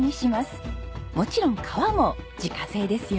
もちろん皮も自家製ですよ。